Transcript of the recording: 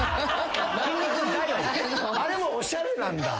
あれもおしゃれなんだ。